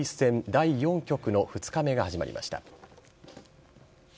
第４局の２日目が始まりました。